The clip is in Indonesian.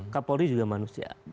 kak paul ri juga manusia